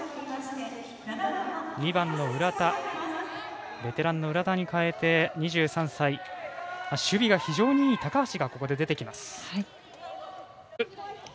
２番のベテランの浦田に代えて２３歳、守備が非常にいい高橋がここで出てきます。